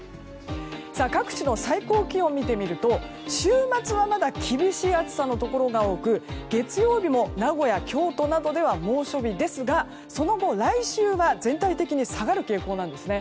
各地の最高気温を見てみると週末はまだ厳しい暑さのところが多く月曜日も名古屋、京都などでは猛暑日ですがその後、来週は全体的に下がる傾向なんです。